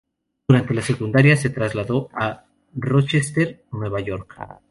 Durante la secundaria, se trasladó a Rochester, Nueva York.